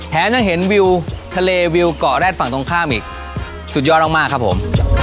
ยังเห็นวิวทะเลวิวเกาะแร็ดฝั่งตรงข้ามอีกสุดยอดมากครับผม